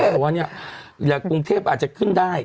เพราะว่าเนี่ยอย่างกรุงเทพอาจจะขึ้นได้